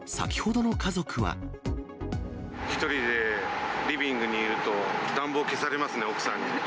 １人でリビングにいると、暖房消されますね、奥さんに。